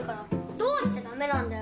どうして駄目なんだよ！